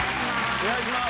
お願いします。